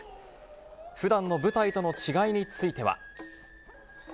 ふだんの舞台との違いについては。